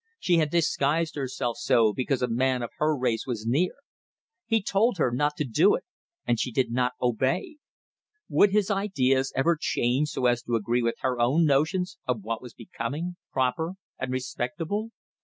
She had disguised herself so because a man of her race was near! He told her not to do it, and she did not obey. Would his ideas ever change so as to agree with her own notions of what was becoming, proper and respectable?